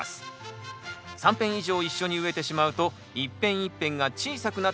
３片以上一緒に植えてしまうと一片一片が小さくなってしまうんです。